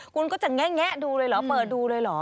คุณก็จะแงะดูเลยเหรอเปิดดูเลยเหรอ